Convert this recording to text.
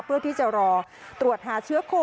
เพื่อที่จะรอตรวจหาเชื้อโค